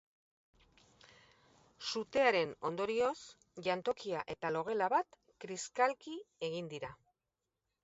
Sutearen ondorioz, jantokia eta logela bat kiskali egin dira.